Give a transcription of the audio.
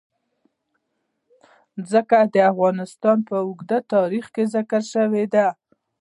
ځمکه د افغانستان په اوږده تاریخ کې ذکر شوی دی.